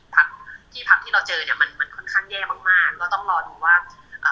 ถ้าพักที่เราเจอเนี้ยมันค่อนข้างแย่มากเราก็ต้องรอดูว่า